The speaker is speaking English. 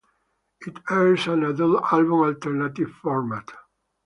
It airs an adult album alternative format.